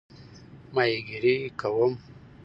ماهیګیري کوم؟